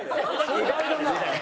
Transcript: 意外だな。